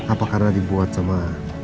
apa karena dibuat sama